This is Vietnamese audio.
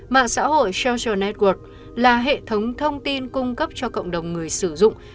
mạng xã hội social network là hệ thống thông tin cung cấp cho cộng đồng người sử dụng